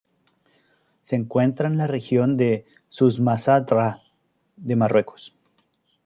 Se encuentra en la región de Souss-Massa-Drâa de Marruecos.